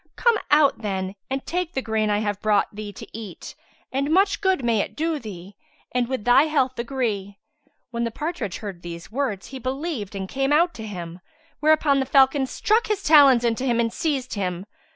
Come out, then, and take the grain I have brought thee to eat and much good may it do thee, and with thy health agree." When the partridge heard these words, he believed and came out to him, whereupon the falcon struck his talons into him and seized him.